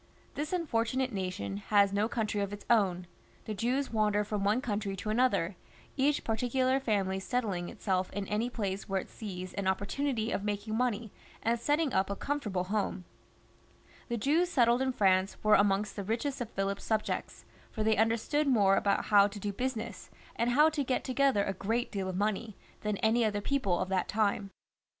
This unfortunate nation has no country of its own ; the Jews wander from one country to another, each parti ctdar family settling itself in any place where it sees an opportunity of making money, and setting up a comfort able home. The Jews settled in France were among the richest of Philip's subjects, for they understood more about 134 PHILIP IV, (LE BEL). [cH. how to do business, and how to get together a great deal of money, than any other people of that time.